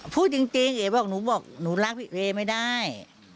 พูดจริงเอ๋บอกหนูบอกหนูรักพี่เอไม่ได้